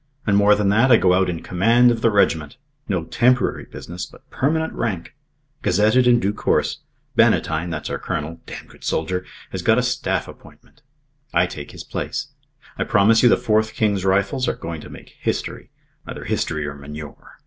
And more than that, I go out in command of the regiment. No temporary business but permanent rank. Gazetted in due course. Bannatyne that's our colonel damned good soldier! has got a staff appointment. I take his place. I promise you the Fourth King's Rifles are going to make history. Either history or manure.